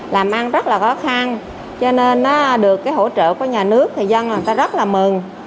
làm ăn rất là khó khăn cho nên được hỗ trợ của nhà nước thì dân là người ta rất là mừng